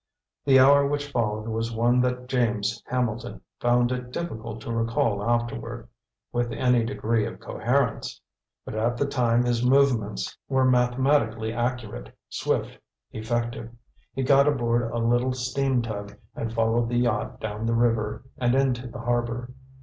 The hour which followed was one that James Hambleton found it difficult to recall afterward, with any degree of coherence; but at the time his movements were mathematically accurate, swift, effective. He got aboard a little steam tug and followed the yacht down the river and into the harbor.